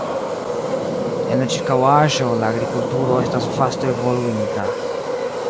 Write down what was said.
En la ĉirkaŭaĵo la agrikulturo estas vaste evoluinta.